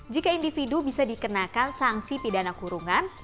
jika individu bisa dikenakan sanksi pidana kurungan